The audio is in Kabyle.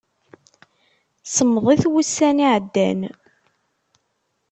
Semmḍit wussan iɛeddan.